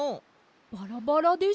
バラバラでした。